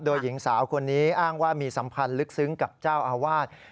โดยหญิงสาวคนนี้อ้างว่ามีสัมพันธ์ลึกซึ้งกับเจ้าอาวาส